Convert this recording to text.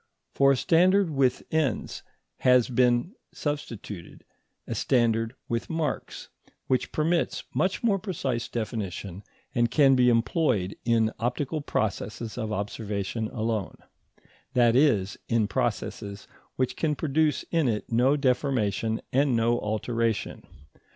For a standard with ends has been substituted a standard with marks, which permits much more precise definition and can be employed in optical processes of observation alone; that is, in processes which can produce in it no deformation and no alteration.